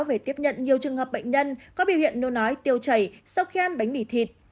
về tiếp nhận nhiều trường hợp bệnh nhân có biểu hiện nô nói tiêu chảy sau khi ăn bánh mì thịt